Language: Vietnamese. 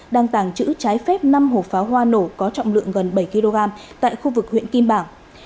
đang tàng trữ trái phép năm hộp pháo hoa nổ có trọng lượng gần bảy kg tại khu vực huyện kim bảng